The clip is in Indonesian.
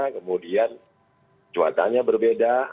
kemudian cuacanya berbeda